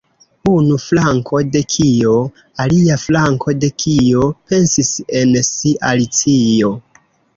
"Unu flanko de kio? Alia flanko de kio?" pensis en si Alicio.